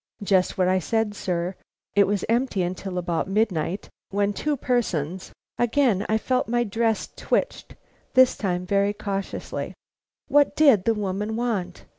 "Just what I said, sir. It was empty till about midnight, when two persons " Again I felt my dress twitched, this time very cautiously. What did the woman want?